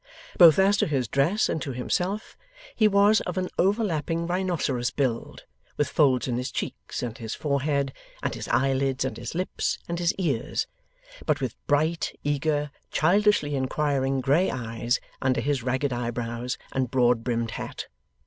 Both as to his dress and to himself, he was of an overlapping rhinoceros build, with folds in his cheeks, and his forehead, and his eyelids, and his lips, and his ears; but with bright, eager, childishly inquiring, grey eyes, under his ragged eyebrows, and broad brimmed hat.